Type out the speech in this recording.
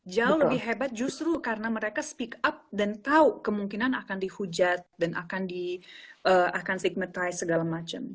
jauh lebih hebat justru karena mereka speak up dan tahu kemungkinan akan dihujat dan akan sigmatize segala macam